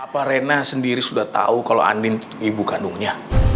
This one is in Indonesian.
pak rena sendiri sudah tahu kalau andin ibu kandungnya